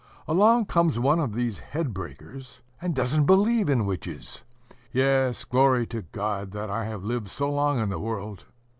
Along comes one of these head breakers, and doesn't believe in witches! Yes, glory to God that I have lived so long in the world!